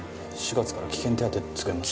４月から危険手当つくように。